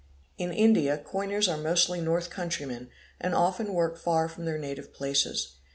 In India coiners are mostly north countrymen and often work far from their native places.